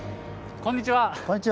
こんにちは。